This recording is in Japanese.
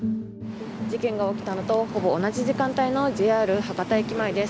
事件が起きたのとほぼ同じ時間帯のＪＲ博多駅前です。